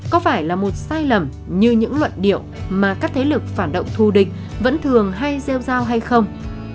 có phải là một sai lầm như những luận điệu mà các thế lực phản động thù địch vẫn thường hay gieo giao hay không